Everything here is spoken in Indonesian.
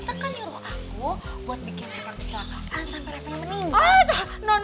tante kan nyuruh aku buat bikin reva kecelakaan sampai reva nya meninggal